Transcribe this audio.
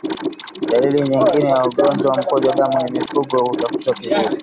Dalili nyingine ya ugonjwa wa mkojo damu ni mfugo hutafuta kivuli